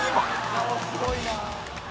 「顔すごいな」